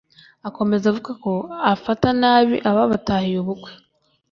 Akomeza avuga ko abafata nabi ababatahiye ubukwe